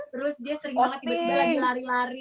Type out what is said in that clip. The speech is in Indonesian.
terus dia sering banget tiba tiba lagi lari lari